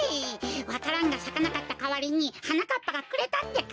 わか蘭がさかなかったかわりにはなかっぱがくれたってか！